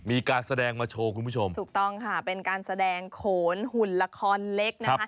มีการแสดงมาโชว์คุณผู้ชมถูกต้องค่ะเป็นการแสดงโขนหุ่นละครเล็กนะคะ